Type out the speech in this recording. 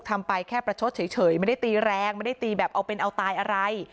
ทำไปแค่ประชดเฉยไม่ได้ตีแรงไม่ได้ตีแบบเอาเป็นเอาตายอะไร